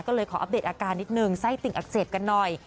ก็เลยขออัปเดตอาการนิดนึงไส้ติ่งอักเสบกันหน่อย